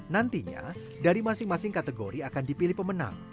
nantinya dari masing masing kategori akan dipilih pemenang